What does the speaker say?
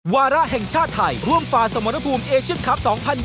วาระแห่งชาติไทยร่วมฝ่าสมรภูมิเอเชียนคลับ๒๐๒๐